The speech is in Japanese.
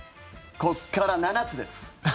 ここから７つです。